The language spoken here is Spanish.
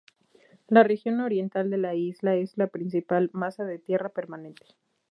La región oriental de la isla es la principal masa de tierra permanente.